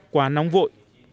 quá nóng vội